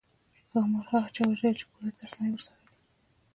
ښامار هغه چا وژلی چې پوره تسمه یې ورسره وي.